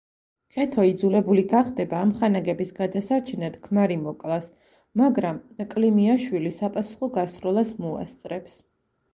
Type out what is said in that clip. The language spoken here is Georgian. ქეთო იძულებული გახდება ამხანაგების გადასარჩენად ქმარი მოკლას, მაგრამ კლიმიაშვილი საპასუხო გასროლას მოასწრებს.